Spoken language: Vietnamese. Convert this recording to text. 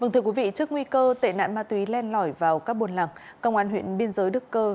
trước nguy cơ tệ nạn ma túy len lỏi vào các buồn lặng công an huyện biên giới đức cơ